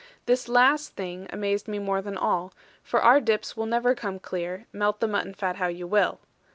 This last thing amazed me more than all, for our dips never will come clear, melt the mutton fat how you will.